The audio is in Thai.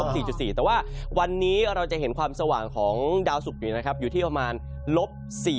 ลบ๔๔แต่ว่าวันนี้เราจะเห็นความสว่างของดาวสุกอยู่ที่ประมาณลบ๔๖